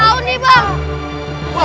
kau nih bang